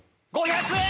５００円！